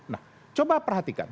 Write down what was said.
nah coba perhatikan